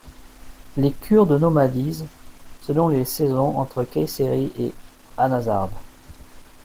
Les Kurdes nomadisent, selon les saisons, entre Kayseri et Anazarbe.